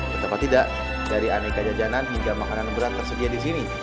betapa tidak dari aneka jajanan hingga makanan berat tersedia di sini